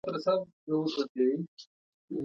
ماشیني انسانان دي.